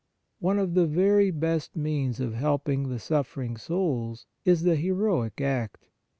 One of the very best means of helping the suffering souls is the Heroic Act.